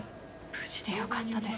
無事でよかったですね。